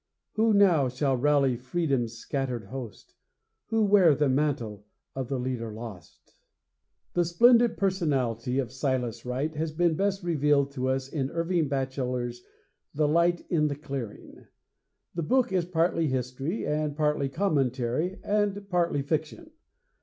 Who now shall rally Freedom's scattered host? Who wear the mantle of the leader lost? The splendid personality of Silas Wright has been best revealed to us in Irving Bacheller's The Light in the Clearing. The book is partly history and partly commentary and partly fiction.